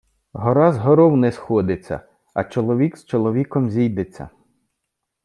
Гора з горов не сходиться, а чоловік з чоловіком зійдеться.